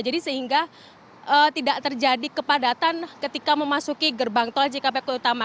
jadi sehingga tidak terjadi kepadatan ketika memasuki gerbang tol cikampek utama